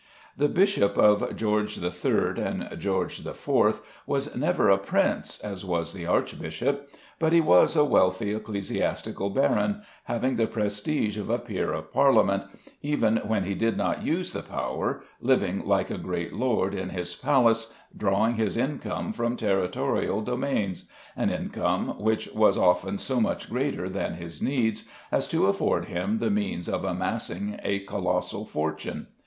The bishop of George the Third and George the Fourth was never a prince, as was the archbishop, but he was a wealthy ecclesiastical baron, having the prestige of a Peer of Parliament, even when he did not use the power, living like a great lord in his palace, drawing his income from territorial domains, an income which was often so much greater than his needs as to afford him the means of amassing a colossal fortune.